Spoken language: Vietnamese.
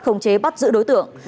không chế bắt giữ đối tượng